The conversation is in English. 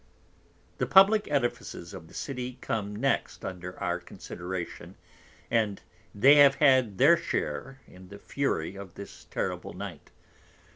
The publick Edifices of the City come next under our Consideration; and these have had their Share in the Fury of this terrible Night.